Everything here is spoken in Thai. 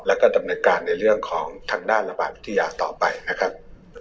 แล้วก็ดำเนินการในเรื่องของทางด้านระบาดวิทยาต่อไปนะครับ